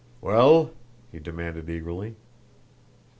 "Well?" he demanded eagerly.